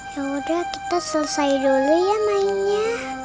ya udah kita selesai dulu ya mainnya